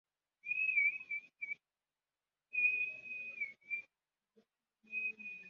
Umuhungu umwenyura anyerera umugozi mugihe yimanitse